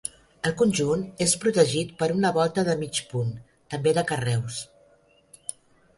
El conjunt és protegit per una volta de mig punt, també de carreus.